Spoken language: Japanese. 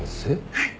はい。